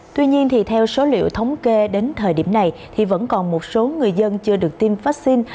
tuy nhiên theo số liệu thống kê đến thời điểm này thì vẫn còn một số người dân chưa được tiêm vaccine